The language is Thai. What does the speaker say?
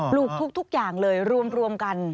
ลูกทุกอย่างเลยรวมกัน